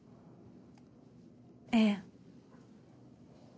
ええ。